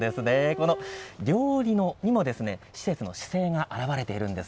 この料理にも施設の姿勢が表れているんです。